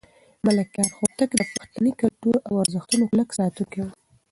ملکیار هوتک د پښتني کلتور او ارزښتونو کلک ساتونکی و.